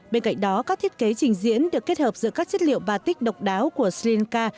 bên cạnh đó các thiết kế trình diễn được kết hợp giữa các chất liệu batic độc đáo của sri lanka